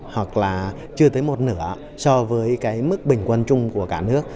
hoặc là chưa tới một nửa so với cái mức bình quân chung của cả nước